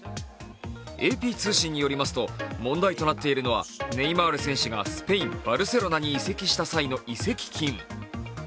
ＡＰ通信によりますと問題となっているのはネイマール選手がスペイン・バルセロナに移籍した際の移籍金。